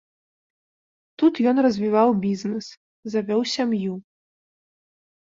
Тут ён развіваў бізнэс, завёў сям'ю.